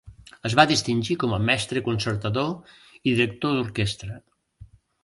Es va distingir com a mestre concertador i director d'orquestra.